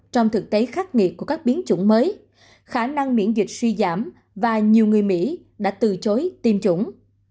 trong thực tế khắc nghiệt của các biến chủng mới khả năng miễn dịch suy giảm và nhiều người mỹ đã từ chối tiêm chủng